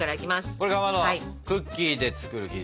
これかまどクッキーで作る生地ですね。